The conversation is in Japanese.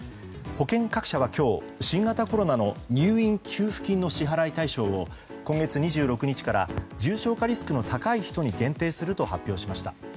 保険各社は今日新型コロナの入院給付金の支払い対象を今月２６日から重症化リスクの高い人に限定すると発表しました。